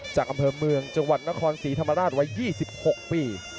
จากอำเภอเมืองจังหวัดนครศรีธรรมราชวัย๒๖ปี